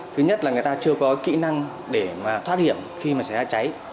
thứ nhất là người ta chưa có kỹ năng để mà thoát hiểm khi mà xảy ra cháy